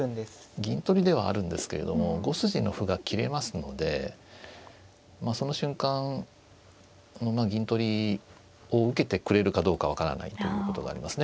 銀取りではあるんですけれども５筋の歩が切れますのでまあその瞬間銀取りを受けてくれるかどうか分からないということがありますね。